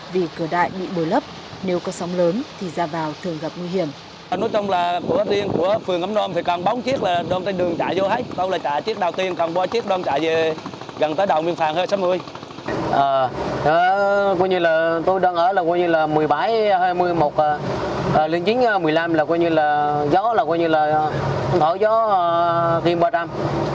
vì cửa đại bị bồi lấp nếu có sóng lớn thì ra vào thường gặp nguy hiểm